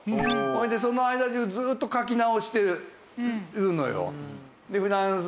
それでその間中ずっと描き直してるのよ。